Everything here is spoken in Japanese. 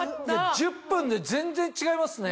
１０分で全然違いますね。